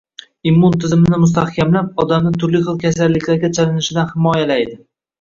Immun tizimini mustahkamlab, odamni turli xil kasalliklarga chalinishidan himoyalaydi